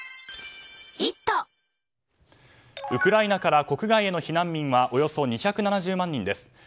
ウクライナから国外への避難民はおよそ２７０万人です。